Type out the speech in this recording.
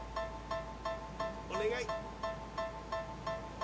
お願い！